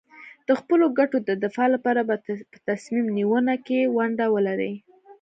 د خپلو ګټو د دفاع لپاره په تصمیم نیونه کې ونډه ولري.